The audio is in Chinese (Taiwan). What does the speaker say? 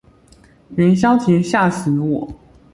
元宵節嚇死我